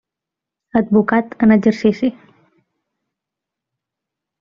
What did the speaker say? Advocat en exercici.